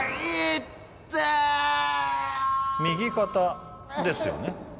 右肩、ですよね。